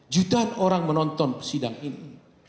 jutaan orang menonton sidang ini